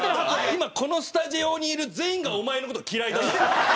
今このスタジオにいる全員がお前の事嫌いだぞ。